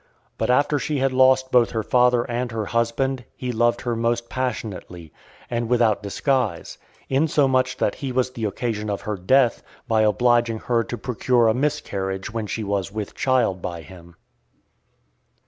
But after she had lost both her father and her husband, he loved her most passionately, and without disguise; insomuch that he was the occasion of her death, by obliging her to procure a miscarriage when she was with child by him.